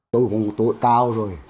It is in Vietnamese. tôi cũng tuổi cao rồi